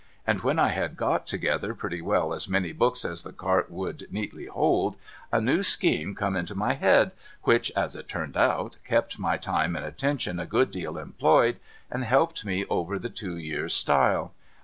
And when I had got together pretty well as many books as the cart would neatly hold, a new scheme come into my head, which, as it turned out, kept my time and attention a good deal employed, and helped me over the two years' stile.